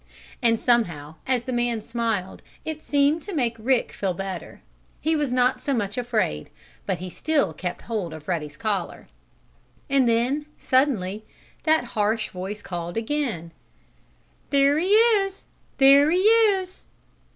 And somehow, as the man smiled, it seemed to make Rick feel better. He was not so much afraid. But still he kept hold of Ruddy's collar. And then, suddenly, that harsh voice called again: "There he is! There he is!"